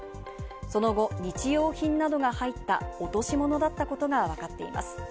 その後、日用品などが入った落とし物だったことがわかっています。